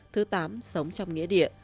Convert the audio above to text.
thứ tám sống trong nghĩa địa